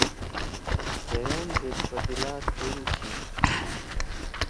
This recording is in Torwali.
دھیدأن زید پتیِلا تھیل چھی۔